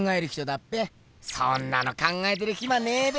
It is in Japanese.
そんなの考えてるヒマねえべ！